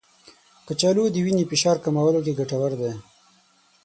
کچالو د وینې فشار کمولو کې ګټور دی.